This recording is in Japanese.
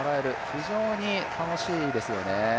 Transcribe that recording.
非常に楽しいですよね。